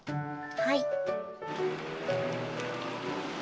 はい。